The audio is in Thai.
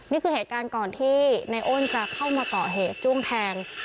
นี่คือเหตุการณ์ก่อนที่ในอ้นจะเข้ามาเกาะเหตุจ้วงแทง